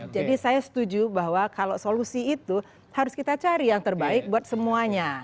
jadi saya setuju bahwa kalau solusi itu harus kita cari yang terbaik buat semuanya